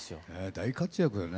大活躍だよね。